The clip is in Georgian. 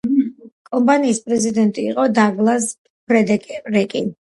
კომპანიის პრეზიდენტი იყო დაგლას ფრედერიკი.